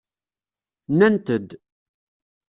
Nnant-d.